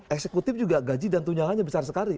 eksekutif juga gaji dan tunjangannya besar sekali